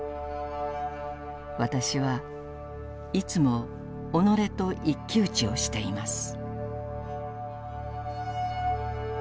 「私はいつも己と一騎打ちをしています」。